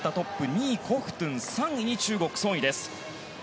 ２位、コフトゥン３位に中国のソン・イです。